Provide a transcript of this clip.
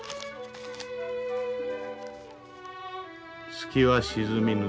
「月は沈みぬ。